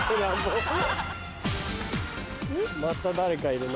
また誰かいるな。